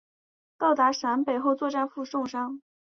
到达陕北后作战负重伤。